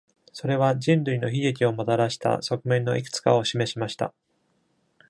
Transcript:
それは人類の悲劇をもたらした側面のいくつかを示しました。